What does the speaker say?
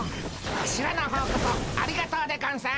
ワシらの方こそありがとうでゴンス。